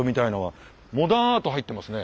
モダンアート入ってますね。